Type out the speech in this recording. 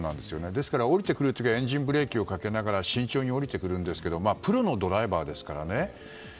ですから、下りてくる時はエンジンブレーキをかけながら慎重に下りてくるんですがプロのドライバーですから。